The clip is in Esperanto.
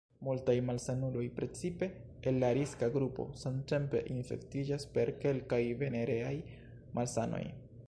Multaj malsanuloj, precipe el la riska grupo, samtempe infektiĝas per kelkaj venereaj malsanoj.